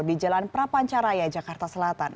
dengan prapancaraya jakarta selatan